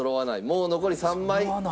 もう残り３枚。